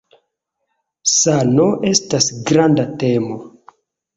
Sano estas granda temo.